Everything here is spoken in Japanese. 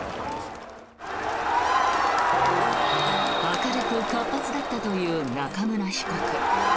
明るく活発だったという中村被告。